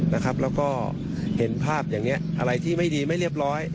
แล้วก็เห็นภาพอย่างนี้อะไรที่ไม่ดีไม่เรียบร้อย